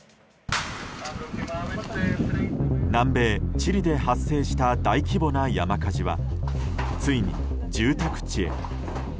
南米チリで発生した大規模な山火事はついに住宅地へ。